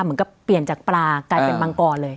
เหมือนกับเปลี่ยนจากปลากลายเป็นมังกรเลย